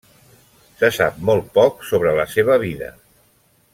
Se sap molt poc sobre la seva vida.